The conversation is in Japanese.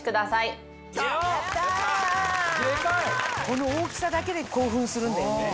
この大きさだけで興奮するんだよね。